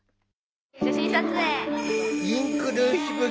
写真撮影。